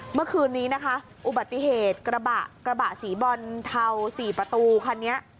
เมื่อคืนนี้นะคะอุบัติเหตุกระบะกระบะสีบอลเทา๔ประตูคันนี้